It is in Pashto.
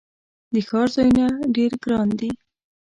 د ښار ځایونه ډیر ګراندي